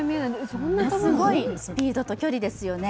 すごいスピードと距離ですよね。